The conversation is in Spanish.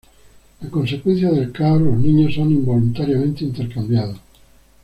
A consecuencia del caos, los niños son involuntariamente intercambiados.